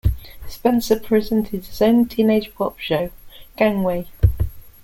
Spencer presented his own teenage pop show, Gangway!